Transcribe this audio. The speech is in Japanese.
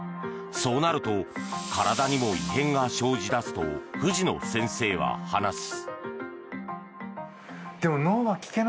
そうなると体にも異変が生じ出すと藤野先生は話す。